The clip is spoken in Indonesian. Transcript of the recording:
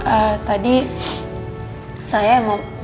eh tadi saya emang